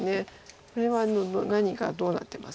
これは何がどうなってますか。